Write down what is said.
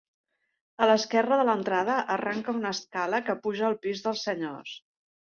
A l'esquerra de l'entrada arranca una escala que puja al pis dels senyors.